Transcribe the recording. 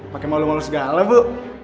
pakai malu malu segala bu